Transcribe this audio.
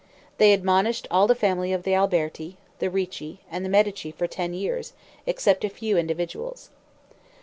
They admonished all the family of the Alberti, the Ricci, and the Medici for ten years, except a few individuals.